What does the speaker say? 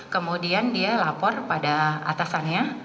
kemudian dia lapor pada atasannya